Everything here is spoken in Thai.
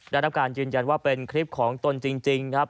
ได้รับการยืนยันว่าเป็นคลิปของตนจริงครับ